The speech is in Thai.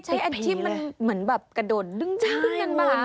ใช่อันที่มันเหมือนแบบกระด่นลึงขึ้นกันมา